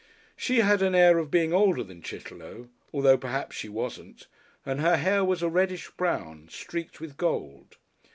She had an air of being older than Chitterlow, although probably she wasn't, and her hair was a reddish brown, streaked with gold.